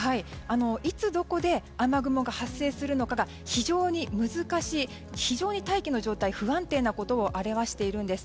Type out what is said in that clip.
いつ、どこで雨雲が発生するのか非常に難しい非常に大気の状態を不安定なことを表しています。